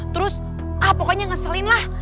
terus pokoknya ngeselin lah